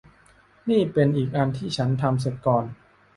นี่เป็นอีกอันที่ฉันทำเสร็จก่อน